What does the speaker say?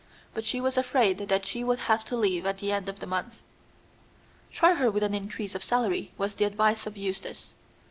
But she was afraid that she would have to leave at the end of the month. "Try her with an increase of salary," was the advice of Eustace.